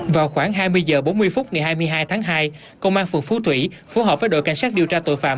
vào khoảng hai mươi h bốn mươi phút ngày hai mươi hai tháng hai công an phường phú thủy phù hợp với đội cảnh sát điều tra tội phạm